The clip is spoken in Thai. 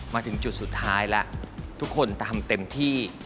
มาถึงจุดสุดท้ายแล้วทุกคนทำเต็มที่